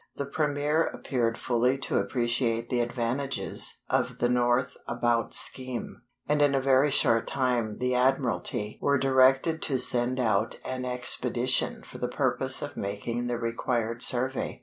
The Premier appeared fully to appreciate the advantages of the north about scheme, and in a very short time the Admiralty were directed to send out an expedition for the purpose of making the required survey.